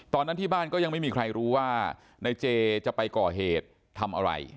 ตอนนั้นที่บ้านก็ยังไม่มีใครรู้ว่านายเจจะไปก่อเหตุทำอะไร